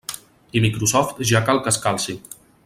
I Microsoft ja cal que es calci.